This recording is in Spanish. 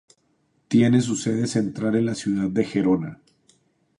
Tiene su sede central en la ciudad de Gerona.